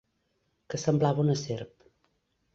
Que semblava una serp.